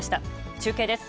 中継です。